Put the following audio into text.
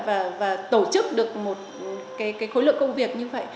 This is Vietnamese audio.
và tổ chức được một khối lượng công việc như vậy